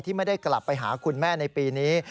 ไม่ได้กลับไปหาคุณแม่ในปีนี้